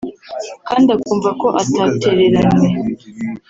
kandi akumva ko atatereranwe